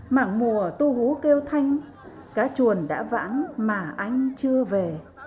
mảng mùa tu hú kêu thanh cá chuồn đã vãng mà anh chưa về